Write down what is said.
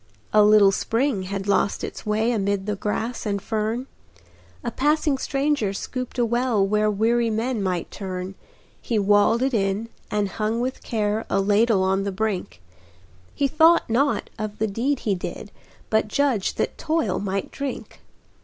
A little spring had lost its way Amid the grass and fern; A passing stranger scooped a well Where weary men might turn, He walled it in, and hung with care A ladle on the brink; He thought not of the deed he did, But judged that Toil might drink.